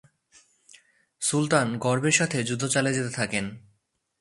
সুলতান গর্বের সাথে যুদ্ধ চালিয়ে যেতে থাকেন।